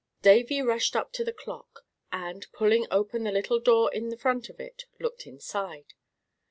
Davy rushed up to the clock, and, pulling open the little door in the front of it, looked inside.